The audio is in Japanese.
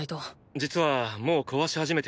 実はもう壊し始めている。